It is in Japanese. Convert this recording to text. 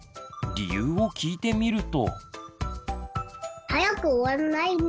理由を聞いてみると。